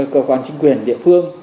cơ quan chính quyền địa phương